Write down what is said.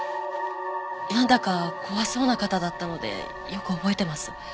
なんだか怖そうな方だったのでよく覚えてます。